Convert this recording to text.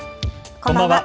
こんばんは。